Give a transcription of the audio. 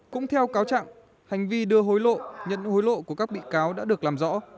cũng theo cáo trạng hành vi đưa hối lộ nhận hối lộ của các bị cáo đã được làm rõ